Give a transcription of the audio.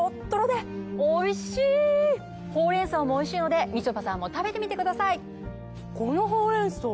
ほうれん草もおいしいのでみちょぱさんも食べてみてください。